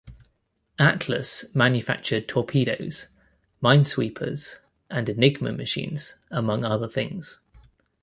Atlas manufactured torpedoes, minesweepers and Enigma machines, among other things.